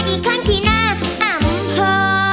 อีกครั้งที่หน้าอำเภอ